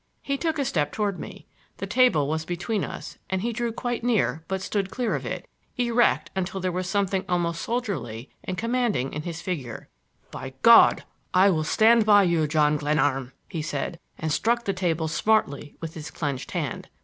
He took a step toward me; the table was between us and he drew quite near but stood clear of it, erect until there was something almost soldierly and commanding in his figure. "By God, I will stand by you, John Glenarm!" he said, and struck the table smartly with his clenched hand.